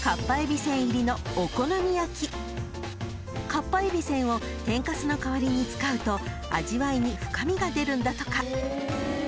［かっぱえびせんを天かすの代わりに使うと味わいに深みが出るんだとか］